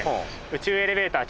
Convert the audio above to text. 宇宙エレベーター？